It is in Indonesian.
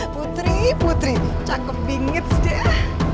putri putri cakep bingits deh